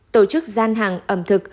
tổ chức gian hàng ẩm thực